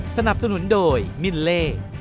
สนับสนุนโดยมิลเล่